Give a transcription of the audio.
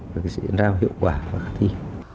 được diễn ra hiệu quả và khả thi